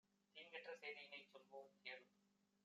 தீங்கற்ற சேதியினைச் சொல்வோம், கேளும்!